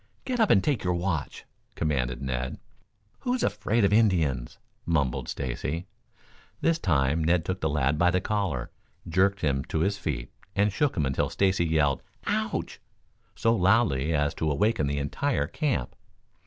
"Get up and take your watch!" commanded Ned. "Who's afraid of Indians?" mumbled Stacy. This time Ned took the lad by the collar, jerked him to his feet and shook him until Stacy yelled "Ouch!" so loudly as to awaken the entire camp.